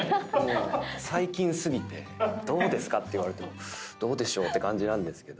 最近過ぎて「どうですか？」と言われても「どうでしょう」って感じなんですけど。